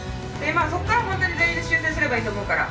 そこから本当に全員で修正すればいいと思うから。